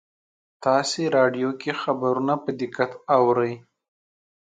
تاسې راډیو کې خبرونه په دقت اورئ